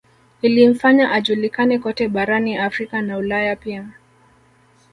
Ilimfanya ajulikane kote barani Afrika na Ulaya pia